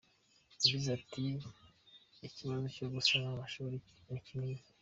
Yagize ati “Ikibazo cyo gusana amashuri ni kinini.